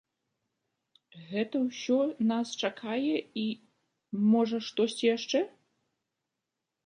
Гэта ўсё нас чакае і, можа, штосьці яшчэ?